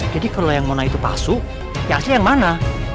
jadi kalau yang mona itu palsu yang asli yang mana